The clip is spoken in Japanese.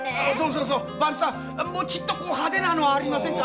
そうそうもちっと派手なのありませんか？